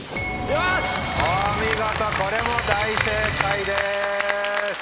お見事これも大正解です。